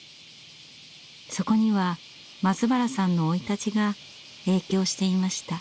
そこには松原さんの生い立ちが影響していました。